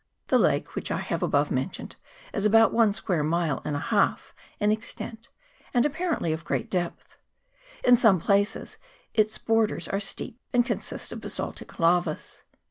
The lake which I have above mentioned is about one square mile and a half in extent, and apparently of great depth. In some places its borders are steep, and consist of basaltic lavas.